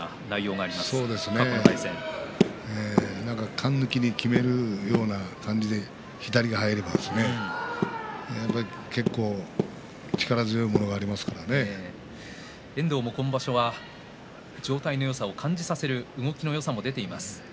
かんぬきにきめるような感じで左が入れば遠藤も今場所は状態のよさを感じさせる動きのよさも出ています。